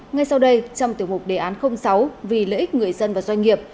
ngay sau đây trong tiểu mục đề án sáu vì lợi ích người dân và doanh nghiệp